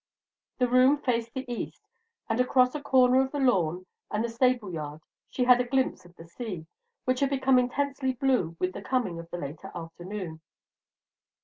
The room faced the east, and across a corner of the lawn and the stable yard she had a glimpse of the sea, which had become intensely blue with the coming of the later afternoon.